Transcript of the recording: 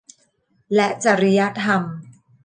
และจริยธรรม